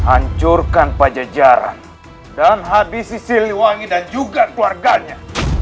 hancurkan pajajaran dan habisi siliwangi dan juga keluarganya